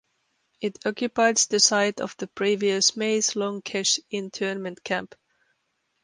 It occupies the site of the previous Maze Long Kesh internment camp.